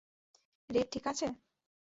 Red ঠিক আছে?